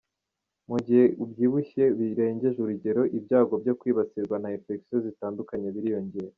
Mu gihe ubyibushye birengeje urugero, ibyago byo kwibasirwa na infection zitandukanye biriyongera.